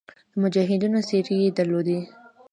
د مجاهدینو څېرې یې درلودې.